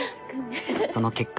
その結果。